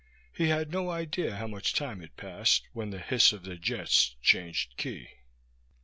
He had no idea how much time had passed when the hiss of the jets changed key.